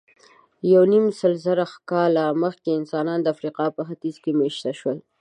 یونیمسلزره کاله مخکې انسانان د افریقا په ختیځ کې مېشته شول.